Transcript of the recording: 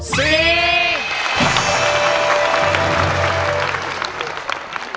๔ครับ๔